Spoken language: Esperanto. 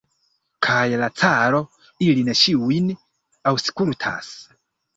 Kaj la caro ilin ĉiujn aŭskultas.